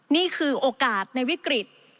นี่คือโอกาสในวิกฤต